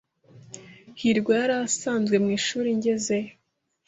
hirwa yari asanzwe mwishuri ngezeyo.